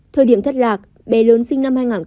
thời điểm thất lạc bé lớn sinh năm hai nghìn hai